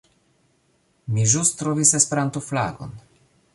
Mi ĵus trovis Esperanto-flagon...